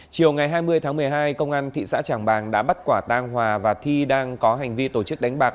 chiều ngày hai mươi tháng một mươi hai công an tp hcm đã bắt quả tăng hòa và thi đang có hành vi tổ chức đánh bạc